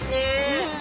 うん。